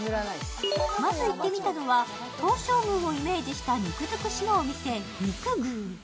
まず行ってみたのは、東照宮をイメージした肉づくしのお店、肉宮。